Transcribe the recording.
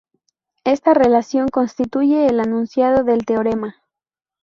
Esta relación constituye el enunciado del teorema.